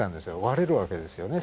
割れるわけですよね